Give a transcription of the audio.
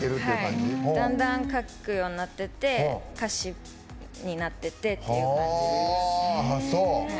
だんだん書くようになっていって歌詞になっていってってっていう感じです。